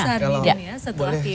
kedua terbesar di dunia